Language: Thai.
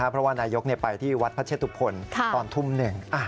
เพราะว่านายกไปที่วัดพระเชตุพลตอนทุ่มหนึ่ง